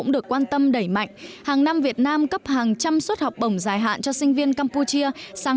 đẩy mạnh hàng năm việt nam cấp hàng trăm suất học bổng dài hạn cho sinh viên campuchia sang